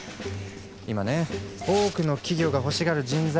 今ね多くの企業が欲しがる人材